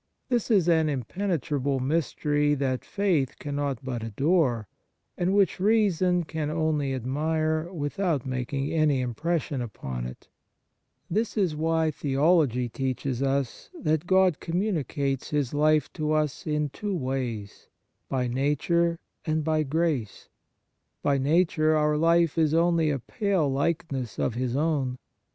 This is an impene trable mystery that faith cannot but adore, and which reason can only admire without making any impres sion upon it. * Acts xvii. 28. t 2 Pet. i. 4. 38 The Nature of Piety This is why theology teaches us that God communicates His life to us in two ways: by nature and by grace. By nature, our life is only a pale likeness of His own.